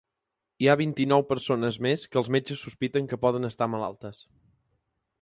Hi ha vint-i-nou persones més que els metges sospiten que poden estar malaltes.